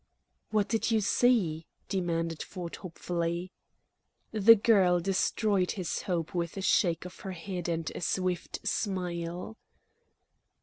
"What did you see?" demanded Ford hopefully. The girl destroyed his hope with a shake of her head and a swift smile.